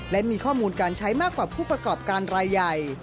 และมีข้อมูลการใช้มากกว่าผู้ประกอบการรายใหญ่